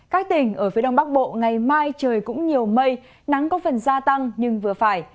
các tỉnh ở phía đông bắc bộ ngày mai trời cũng nhiều mây nắng có phần gia tăng nhưng vừa phải